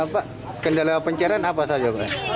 pak kendala pencarian apa saja pak